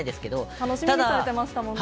楽しみにされてましたもんね。